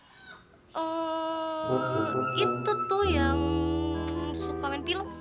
eee itu tuh yang susuk pangin film